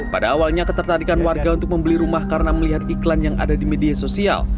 pada awalnya ketertarikan warga untuk membeli rumah karena melihat iklan yang ada di media sosial